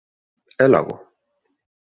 _¿E logo?